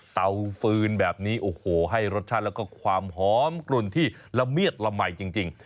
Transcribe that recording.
ฟืนแบบนี้โอ้โหให้รสชาติแล้วก็ความหอมกลุ่นที่ละเมียดละไหมจริง